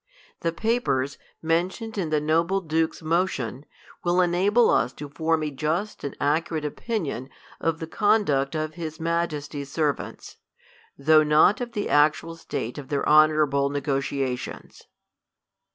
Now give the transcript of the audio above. The papers, men tioned in the noble Duke's motion, will enable us to form a just and accurate opinion of the conduct of his Majesty's servants, though not of the actual state of their honorable negociations.